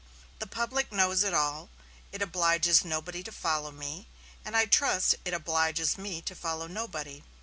The public knows it all. It obliges nobody to follow me, and I trust it obliges me to follow nobody.